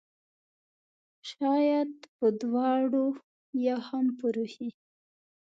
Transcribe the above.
شاید په دواړو ؟ یا هم په روحي